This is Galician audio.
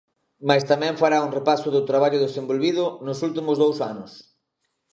Mais tamén fará un repaso do traballo desenvolvido nos últimos dous anos.